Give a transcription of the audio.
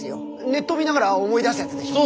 ネット見ながら思い出すやつでしょ。